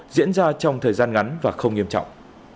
diễn ra trong thời gian ngắn và không nghiêm trọng